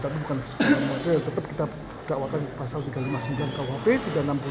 tapi bukan model tetap kita dakwakan pasal tiga ratus lima puluh sembilan kuhp tiga ratus enam puluh alat satu dan dua